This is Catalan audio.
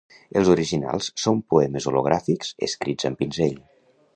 Els originals són poemes hologràfics escrits amb pinzell.